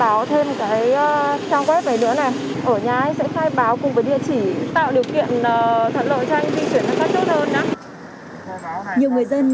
ở nhà sẽ khai báo cùng với địa chỉ tạo điều kiện thận lợi cho anh di chuyển ra các chốt hơn nhé